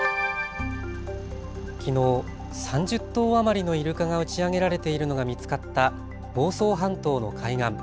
きのう３０頭余りのイルカが打ち上げられているのが見つかった房総半島の海岸。